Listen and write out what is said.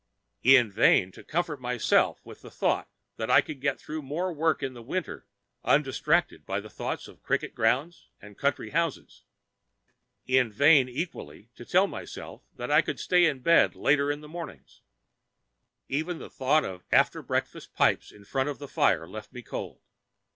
In vain to comfort myself with the thought that I could get through more work in the winter undistracted by thoughts of cricket grounds and country houses. In vain, equally, to tell myself that I could stay in bed later in the mornings. Even the thought of after breakfast pipes in front of the fire left me cold.